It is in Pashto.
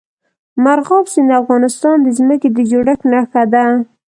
مورغاب سیند د افغانستان د ځمکې د جوړښت نښه ده.